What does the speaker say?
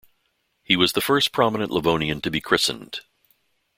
He was the first prominent Livonian to be christened.